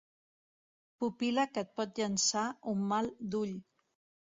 Pupil·la que et pot llançar un mal d'ull.